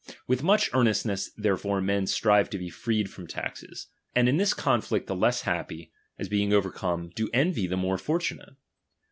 With much Earnestness therefore men strive to be freed from taxes ; and in this conflict the less happy, as being ovei'come, do envy the more fortunate.